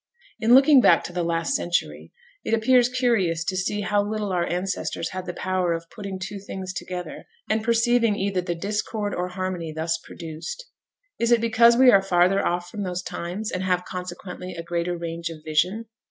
In looking back to the last century, it appears curious to see how little our ancestors had the power of putting two things together, and perceiving either the discord or harmony thus produced. Is it because we are farther off from those times, and have, consequently, a greater range of vision?